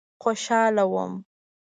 خوشاله وم.